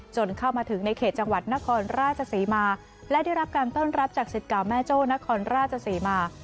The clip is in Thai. เข้ามาถึงในเขตจังหวัดนครราชศรีมาและได้รับการต้อนรับจากสิทธิ์เก่าแม่โจ้นครราชศรีมา